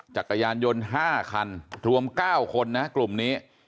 จักรยานยนต์๕คันรวม๙คนนะกลุ่มนี้